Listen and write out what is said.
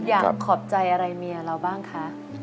ขอบใจอะไรเมียเราบ้างคะ